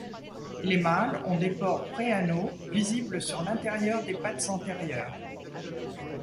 Les mâles ont des pores pré-anaux visibles sur l'intérieur des pattes antérieures.